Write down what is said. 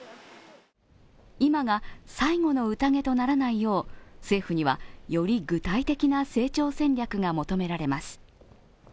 今が最後の宴とならないよう政府には、より具体的な成長戦略が求められます。